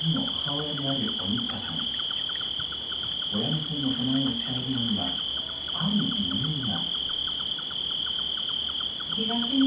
親目線の備えを伝えるのにはある理由が。